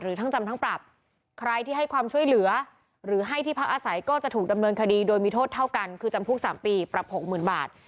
ทั้งจำทั้งปรับใครที่ให้ความช่วยเหลือหรือให้ที่พักอาศัยก็จะถูกดำเนินคดีโดยมีโทษเท่ากันคือจำคุก๓ปีปรับหกหมื่นบาท